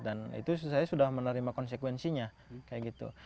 dan itu saya sudah menerima konsekuensinya kayak gitu